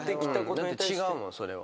だって違うもんそれは。